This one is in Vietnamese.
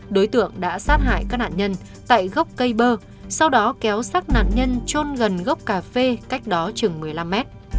đối tượng đã sát hại các nạn nhân tại gốc cây bơ sau đó kéo sát nạn nhân trôn gần gốc cà phê cách đó chừng một mươi năm mét